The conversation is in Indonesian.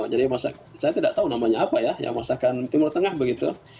jadi saya tidak tahu namanya apa ya yang dimasakkan timur tengah begitu